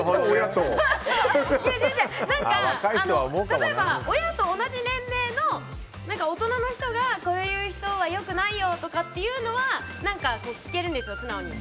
例えば、親と同じ年齢の大人の人がこういう人は良くないよとかっていうのは聞けるんですよ、素直に。